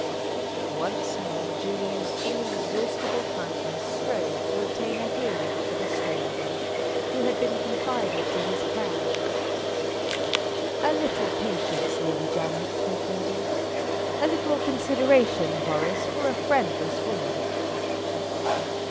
Once more Julian's inexhaustible kindness strove to obtain a hearing for the stranger who had been confided to his care. "A little patience, Lady Janet," he pleaded. "A little consideration, Horace, for a friendless woman."